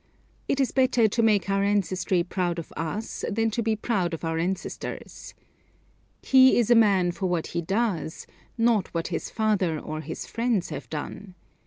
It is better to make our ancestry proud of us than to be proud of our ancestors. He is a man for what he does, not for what his father or his friends have done.